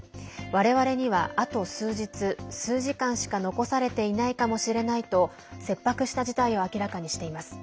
われわれにはあと数日、数時間しか残されていないかもしれないと切迫した事態を明らかにしています。